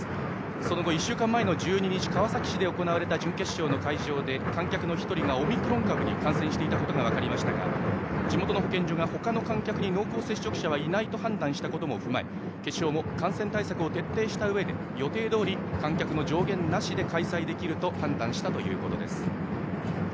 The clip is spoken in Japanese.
その後、１週間前の１２日川崎市で行われた準決勝の会場で観客の１人がオミクロン株に感染していたことが分かりましたが地元の保健所がほかの観客に濃厚接触者がいないと判断したことも踏まえ決勝も感染対策を徹底したうえで予定どおり観客の上限なしで開催できると判断したということです。